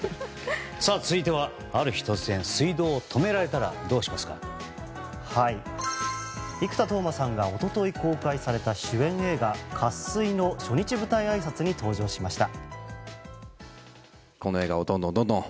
続いてはある日突然水道を止められたら生田斗真さんが一昨日公開された主演映画「渇水」の初日舞台あいさつに登場しました。